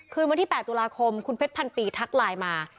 วันที่๘ตุลาคมคุณเพชรพันปีทักไลน์มา